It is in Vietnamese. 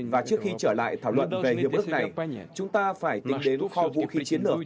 và trước khi trở lại thảo luận về hiệp ước này chúng ta phải tính đến kho vũ khí chiến lược